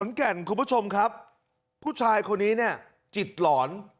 แก่นคุณผู้ชมครับผู้ชายคนนี้เนี่ยจิตหลอน